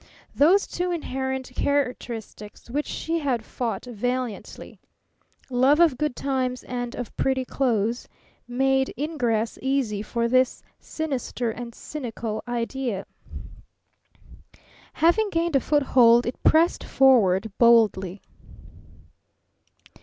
Those two inherent characteristics, which she had fought valiantly love of good times and of pretty clothes made ingress easy for this sinister and cynical idea. Having gained a foothold it pressed forward boldly.